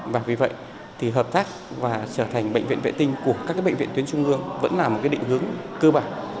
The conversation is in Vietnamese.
và vì vậy thì hợp tác và trở thành bệnh viện vệ tinh của các bệnh viện tuyến trung ương vẫn là một định hướng cơ bản